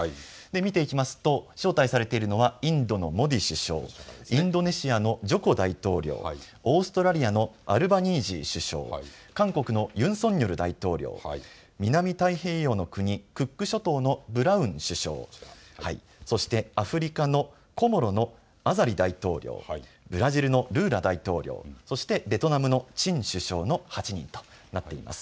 見ていきますと招待されているのはインドのモディ首相、インドネシアのジョコ大統領、オーストラリアのアルバニージー首相、韓国のユン・ソンニョル大統領、南太平洋の国、クック諸島のブラウン首相、そしてアフリカのコモロのアザリ大統領、ブラジルのルーラ大統領、そしてベトナムのチン首相の８人となっています。